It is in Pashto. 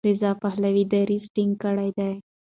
رضا پهلوي دریځ ټینګ کړی دی.